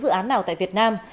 bất cứ dự án nào tại việt nam